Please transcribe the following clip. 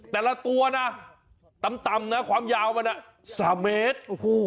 แต่ละตัวนะต่ำนะความยาวมัน๓เมตร